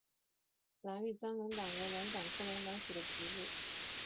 蓝玉簪龙胆为龙胆科龙胆属的植物。